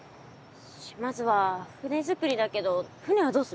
まずは船作りだけど船はどうする？